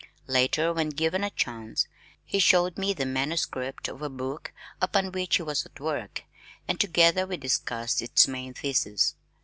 Later, when given a chance, he showed me the manuscript of a book upon which he was at work and together we discussed its main thesis.